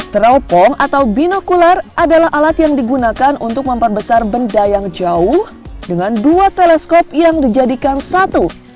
teropong atau binokular adalah alat yang digunakan untuk memperbesar benda yang jauh dengan dua teleskop yang dijadikan satu